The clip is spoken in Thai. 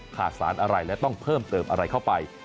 ขาดสารอะไรและต้องเพิ่มเติมอะไรเข้าไป